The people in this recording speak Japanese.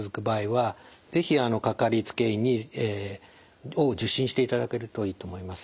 是非かかりつけ医を受診していただけるといいと思います。